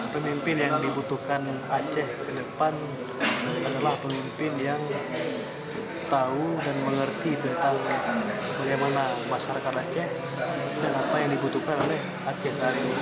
pemimpin yang dibutuhkan aceh ke depan adalah pemimpin yang tahu dan mengerti tentang bagaimana masyarakat aceh dan apa yang dibutuhkan oleh aceh hari ini